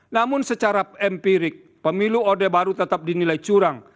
namun secara empirik pemilu odeh baru tetap dinilai curang